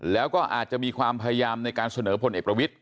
แล้วก็อาจจะมีความพยายามในการเสนอพลเอกประวิทธิ